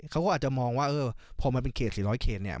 เขาก็อาจจะมองว่าเออพอมันเป็นเขต๔๐๐เขตเนี่ย